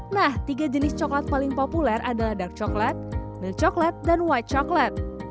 nah tiga jenis coklat paling populer adalah dark coklat mill coklat dan white coklat